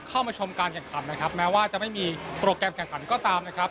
เข้ามาชมการแข่งขันนะครับแม้ว่าจะไม่มีโปรแกรมแข่งขันก็ตามนะครับ